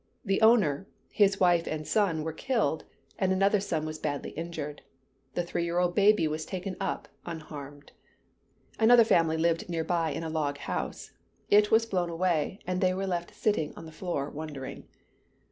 The owner, his wife and son were killed, and another son was badly injured. The three year old baby was taken up unharmed. Another family lived near by in a log house. It was blown away, and they were left sitting on the floor, wondering.